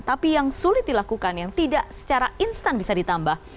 tapi yang sulit dilakukan yang tidak secara instan bisa ditambah